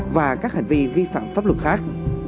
và các hành vi vi phạm pháp luật khác